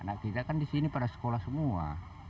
anak kita kan di sini pada sekolah semua